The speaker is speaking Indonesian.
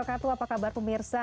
apa kabar pemirsa